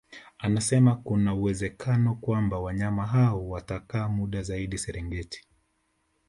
Anasema kuna uwezekano kwamba wanyama hao watakaa muda zaidi Serengeti